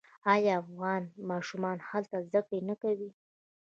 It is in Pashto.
آیا افغان ماشومان هلته زده کړې نه کوي؟